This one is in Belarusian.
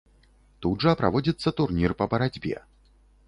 Тут жа праводзіцца турнір па барацьбе.